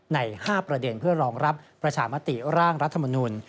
ใน๕ประเด็นเพื่อรองรับประชามติร่างรัฐมนุน